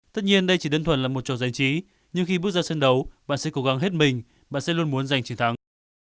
tất nhiên đây chỉ đơn thuần là một trò giải trí nhưng khi bước ra sân đấu bạn sẽ cố gắng hết mình bạn sẽ luôn muốn giành chiến thắng